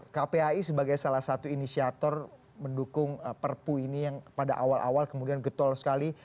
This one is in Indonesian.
kpai sebagai salah satu inisiator mendukung perpu ini yang pada awal awal kemudian getol sekali